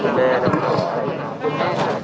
สวัสดีครับ